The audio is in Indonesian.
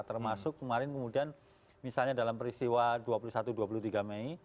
termasuk kemarin kemudian misalnya dalam peristiwa dua puluh satu dua puluh tiga mei